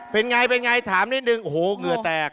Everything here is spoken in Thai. เป็นไงถามนิดนึงโอ้โฮเหลือแตก